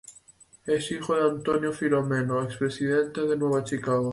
Es hijo de Antonio Filomeno, expresidente de Nueva Chicago.